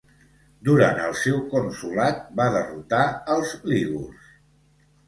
Durant el seu consolat va derrotar els lígurs.